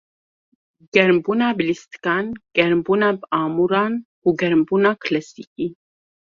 Germbûna bi lîstikan, germbûna bi amûran û germbûna kilasîkî.